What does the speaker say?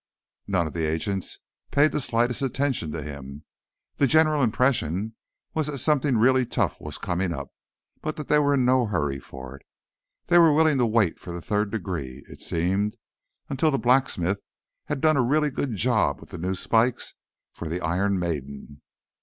None of the agents paid the slightest attention to him. The general impression was that something really tough was coming up, but that they were in no hurry for it. They were willing to wait for the third degree, it seemed, until the blacksmith had done a really good job with the new spikes for the Iron Maiden.